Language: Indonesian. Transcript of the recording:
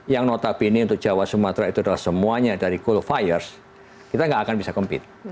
yang notabene untuk jawa sumatera itu adalah semuanya dari coal fired kita tidak akan bisa kompetisi